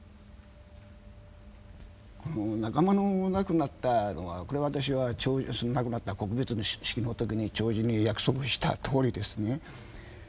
この仲間の亡くなったのはこれ私はその亡くなった告別式の時に弔辞に約束したとおりですね